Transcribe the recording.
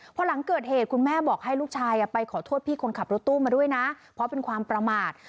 พอหลังเกิดเหตุคุณแม่บอกให้ลูกชายไปขอโทษพี่คนขับรถตู้มาด้วยนะเพราะเป็นความประมาท